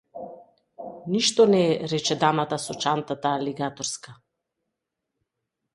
Ништо не е, рече дамата со чантата алигаторска.